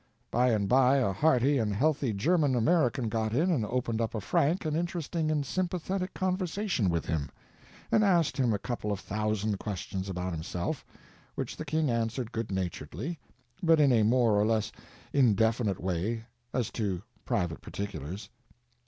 By and by a hearty and healthy German American got in and opened up a frank and interesting and sympathetic conversation with him, and asked him a couple of thousand questions about himself, which the king answered good naturedly, but in a more or less indefinite way as to private particulars.